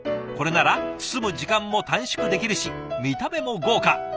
これなら包む時間も短縮できるし見た目も豪華。